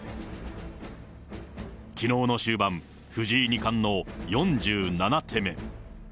きのうの終盤、藤井二冠の４７手目。